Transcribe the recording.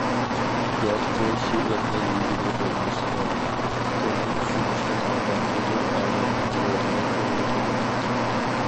گەرچە شېئىرنى يېگىلى بولمىسىمۇ، ئۇنى چۈشىنىشتىن ئالغان ھۇزۇر ئادەمنىڭ روھىنى ئۇرغۇتىدۇ.